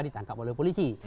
ditanjur oleh polisi